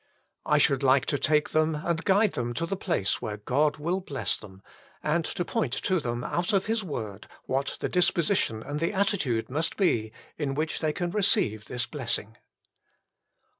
l I should like to take them and guide them to the place where God will bless them, and to point to them out of His Word what the disposition and the attitude must be in which they can receive this blessing.